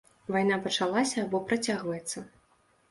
Вайна пачалася або працягваецца?